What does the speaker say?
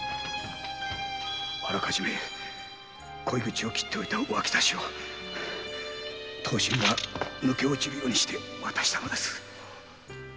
「あらかじめ鯉口を切っておいた脇差を刀身が抜け落ちるようにして渡したのです」